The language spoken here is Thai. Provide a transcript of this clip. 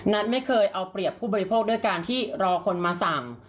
ไม่เคยเอาเปรียบผู้บริโภคด้วยการที่รอคนมาสั่ง